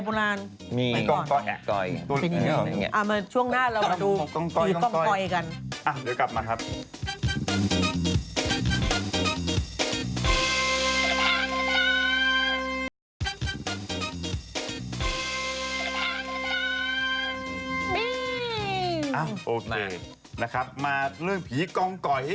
พูดสั้นอ่ะโอเคนะครับมาเรื่องผีกองก้อย